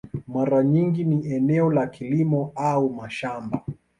Mara nyingi ni eneo la kilimo au mashamba.